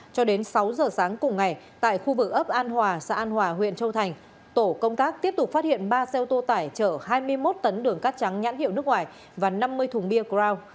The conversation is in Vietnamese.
cho đến sáu giờ sáng cùng ngày tại khu vực ấp an hòa xã an hòa huyện châu thành tổ công tác tiếp tục phát hiện ba xe ô tô tải chở hai mươi một tấn đường cát trắng nhãn hiệu nước ngoài và năm mươi thùng bia group